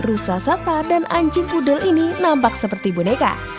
rusa sata dan anjing kudel ini nampak seperti boneka